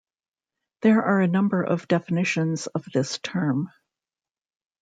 There are a number of definitions of this term.